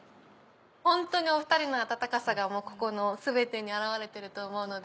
ホントにお２人の温かさがここの全てに表れてると思うので。